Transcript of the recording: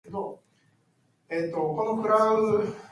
Joe, as part of a distraction plan by Serpentor.